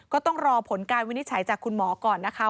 ก็ต้องรอผลการวินิจฉัยจากคุณหมอก่อนนะคะ